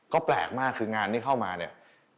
ก็แปลกมากคืองานที่เข้ามาเนี่ย